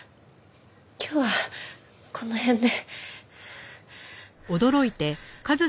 今日はこの辺で。